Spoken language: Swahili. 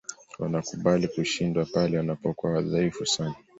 wanakubali kushindwa pale wanapokuwa wadhaifu sana